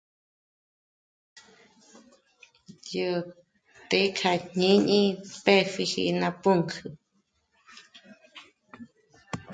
Dyó té'e k'ajñíni pëpjiji ná pǔnkü